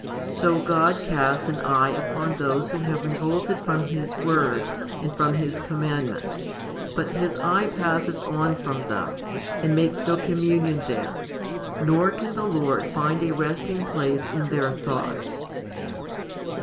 So God casts an eye upon those who have revolted from His word and from His commandment, but His eye passes on from them, and makes no communion there, nor can the Lord find a resting place in their thoughts.